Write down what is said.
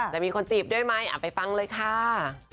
จะมีคนจีบด้วยไหมไปฟังเลยค่ะ